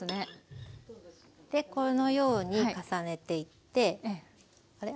でこのように重ねていってあれ？